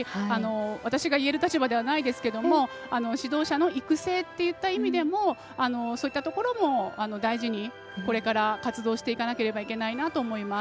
私が言える立場ではないですけれども指導者の育成といった意味でもそういったところも大事にこれから活動していかないといけないと思います。